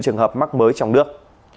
trường hợp mắc mới trong nước